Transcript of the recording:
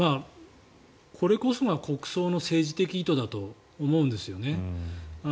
これこそが国葬の政治的意図だと思うんですよね。